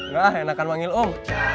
nah enakan panggil om